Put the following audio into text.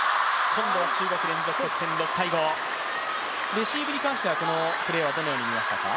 レシーブに関してはこのプレーはどのように見ましたか？